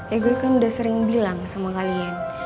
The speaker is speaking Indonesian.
ya gue kan udah sering bilang sama kalian